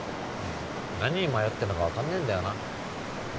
何に迷ってるのかわかんねえんだよな。